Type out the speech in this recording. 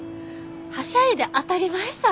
はしゃいで当たり前さ。